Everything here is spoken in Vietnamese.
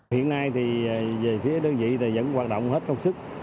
hiện nay thì về phía đơn vị vẫn hoạt động hết công sức